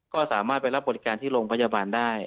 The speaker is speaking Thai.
ก็สามารถไปรับบริการที่โรงพยาบาลได้